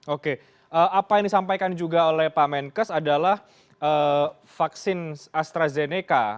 oke apa yang disampaikan juga oleh pak menkes adalah vaksin astrazeneca